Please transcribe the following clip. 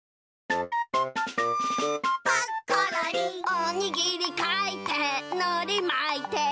「おにぎりかいてのりまいて」